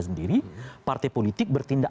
sendiri partai politik bertindak